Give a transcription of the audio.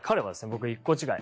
僕と１個違い。